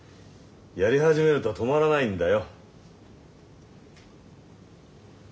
やり始めると止まらないんだよ。